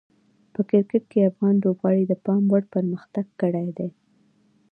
په کرکټ کې افغان لوبغاړي د پام وړ پرمختګ کړی دی.